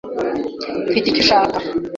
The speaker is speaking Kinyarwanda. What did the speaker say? Mfite icyo ushaka.